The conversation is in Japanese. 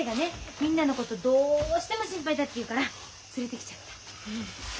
みんなのことどうしても心配だって言うから連れてきちゃった。